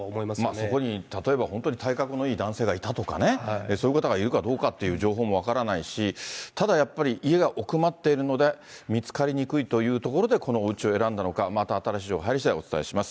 そこに例えば、本当に体格のいい男性がいたとかね、そういう方がいるかどうかという情報も分からないし、ただやっぱり、家が奥まっているので見つかりにくいというところで、このおうちを選んだのか、また新しい情報が入りしだい、お伝えします。